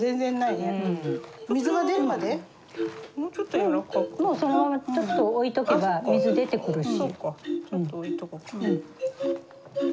もうそのままちょっと置いとけば水出てくるし。